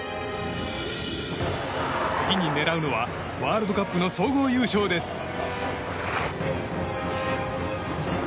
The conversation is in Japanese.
次に狙うのはワールドカップの総合優勝です。